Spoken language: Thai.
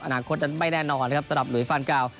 อนาคตนั้นไม่แน่นอนสำหรับหลุยฟาลเกล่า